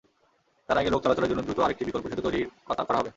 তার আগে লোক চলাচলের জন্য দ্রুত আরেকটি বিকল্প সেতু তৈরির করা হবে।